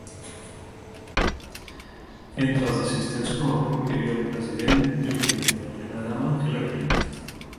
Entre els assistents com a públic hi havia el president Bill Clinton i la primera dama Hillary Clinton.